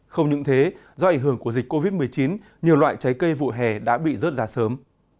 không những thế do ảnh hưởng của dịch covid một mươi chín nhiều loại trái cây vụ hè đã bị rớt ra sớm